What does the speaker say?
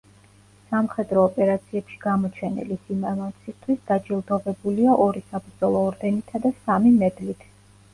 სამხედრო ოპერაციებში გამოჩენილი სიმამაცისთვის დაჯილდოვებულია ორი საბრძოლო ორდენითა და სამი მედლით.